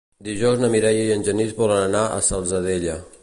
Dijous na Mireia i en Genís volen anar a la Salzadella.